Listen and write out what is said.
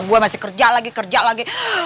gue masih kerja lagi kerja lagi